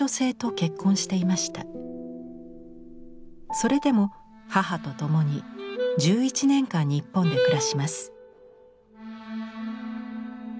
それでも母と共に１１年間日本で暮らします。